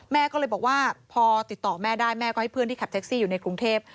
แม่ก็เลยบอกว่าพอติดต่อแม่ได้แม่ก็ให้เพื่อนที่ขับแท็กซี่อยู่ในกรุงเทพ